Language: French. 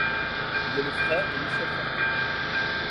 Il est le frère de Michel Ferté.